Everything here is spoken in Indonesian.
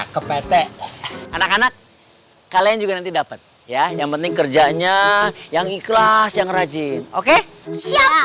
ke pt anak anak kalian juga nanti dapat ya yang penting kerjanya yang ikhlas yang rajin oke siap